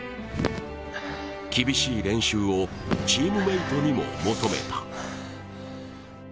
厳しい練習をチームメートにも求めた。